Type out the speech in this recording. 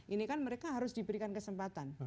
ini kan mereka harus diberikan kesempatan